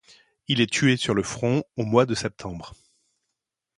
Il est tué sur le front au mois de septembre.